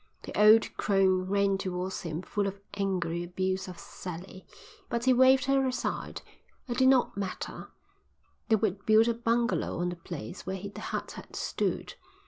The old crone ran towards him full of angry abuse of Sally, but he waved her aside; it did not matter; they would build a bungalow on the place where the hut had stood.